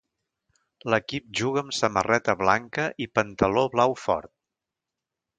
L'equip juga amb samarreta blanca i pantaló blau fort.